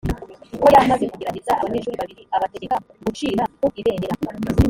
ko yari amaze kugerageza abanyeshuri babiri abategeka gucira ku ibendera